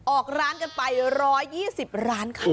ออกร้านกันไป๑๒๐ร้านค่ะ